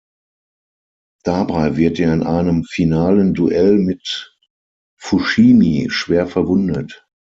Dabei wird er in einem finalen Duell mit Fushimi schwer verwundet.